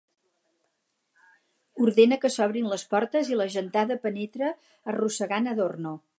Ordena que s'obrin les portes i la gentada penetra arrossegant Adorno.